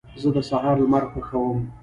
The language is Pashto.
زه د سهار لمر خوښوم.